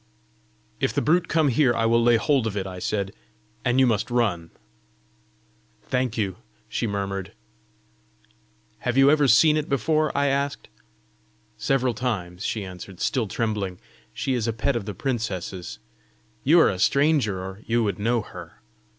"If the brute come here, I will lay hold of it," I said, "and you must run." "Thank you!" she murmured. "Have you ever seen it before?" I asked. "Several times," she answered, still trembling. "She is a pet of the princess's. You are a stranger, or you would know her!"